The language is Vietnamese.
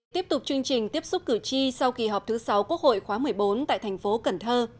tiếp tục chương trình tiếp xúc cử tri sau kỳ họp thứ sáu quốc hội khóa một mươi bốn tại thành phố cần thơ